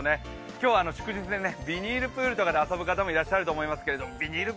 今日、祝日でビニールプールとかで遊ぶ方もいると思いますがビニール